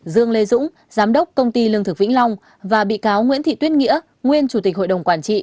dương lê dũng giám đốc công ty lương thực vĩnh long và bị cáo nguyễn thị tuyết nghĩa nguyên chủ tịch hội đồng quản trị